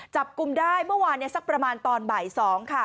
จับกลุ่มได้เมื่อวานสักประมาณตอนบ่าย๒ค่ะ